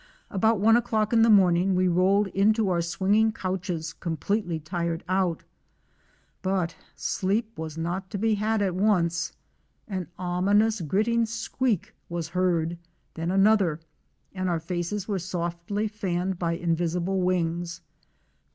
About one o'clock in the morning we rolled into our swinging couches completely tired out. But sleep was not to be had at once. An ominous gritting squeak was heard, then another, and our faces were softly fanned by invisible wings.